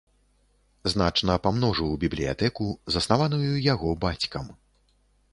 Значна памножыў бібліятэку, заснаваную яго бацькам.